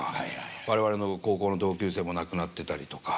我々の高校の同級生も亡くなってたりとか。